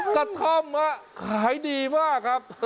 กระท่อมขายดีมากครับ